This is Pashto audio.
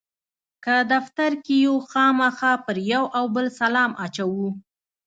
که دفتر کې یو خامخا پر یو او بل سلام اچوو.